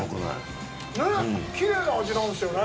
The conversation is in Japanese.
ねっ、きれいな味なんですよね。